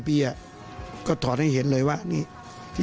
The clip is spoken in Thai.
ใส่หน้ากากมา๔ปีก็ถอดให้เห็นเลยว่านี่